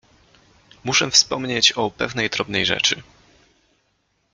Muszę wspomnieć o pewnej drobnej rzeczy.